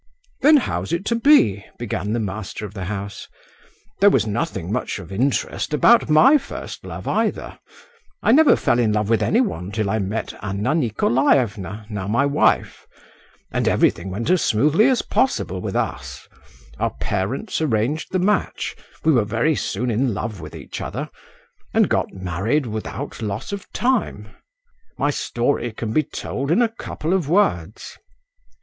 "Then how's it to be?" began the master of the house. "There was nothing much of interest about my first love either; I never fell in love with any one till I met Anna Nikolaevna, now my wife,—and everything went as smoothly as possible with us; our parents arranged the match, we were very soon in love with each other, and got married without loss of time. My story can be told in a couple of words.